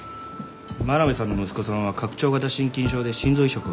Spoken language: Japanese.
真鍋さんの息子さんは拡張型心筋症で心臓移植をしていた。